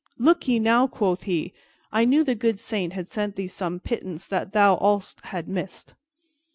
"Look ye now," quoth he, "I knew the good Saint had sent thee some pittance that thou, also, hadst missed."